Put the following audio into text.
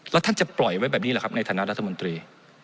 แล้วท่านจะปล่อยไว้แบบนี้แหละครับในฐานะรัฐมนตรี